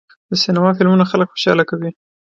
د سینما فلمونه خلک خوشحاله کوي.